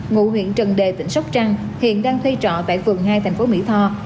ngụ huyện trần đề tỉnh sóc trăng hiện đang thuê trọ tại phường hai thành phố mỹ tho